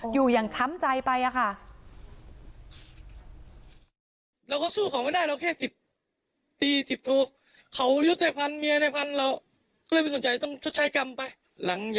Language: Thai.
อยู่อย่างช้ำใจไปค่ะ